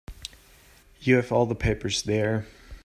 You have all the papers there.